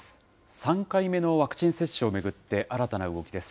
３回目のワクチン接種を巡って新たな動きです。